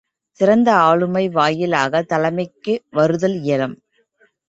சிறந்த ஆளுமை வாயிலாகத் தலைமைக்கு வருதல் இயலும்.